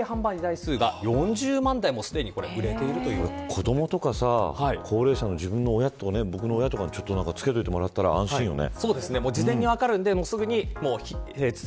子どもとか高齢者自分の親とかに着けてもらったら安心だよね。